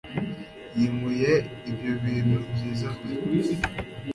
yimuye ibyo bintu byiza mbere